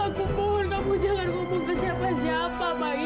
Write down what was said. aku mohon kamu jangan hubung ke siapa siapa mai